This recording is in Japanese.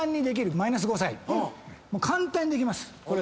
簡単にできます！